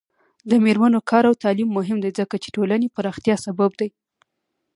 د میرمنو کار او تعلیم مهم دی ځکه چې ټولنې پراختیا سبب دی.